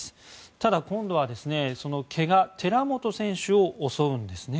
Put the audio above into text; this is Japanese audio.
ただ、今度はその怪我寺本選手を襲うんですね。